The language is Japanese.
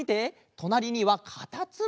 となりにはかたつむり！